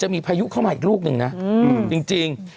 จะมีพายุเข้ามาอีกรูปหนึ่งจริง